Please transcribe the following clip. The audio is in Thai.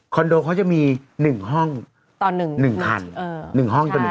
คอนโดเขาจะมีหนึ่งห้องต่อหนึ่งหนึ่งคันเออหนึ่งห้องต่อหนึ่งคัน